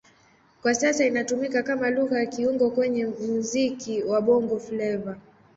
Kwa sasa inatumika kama Lugha ya kiungo kwenye muziki wa Bongo Flava.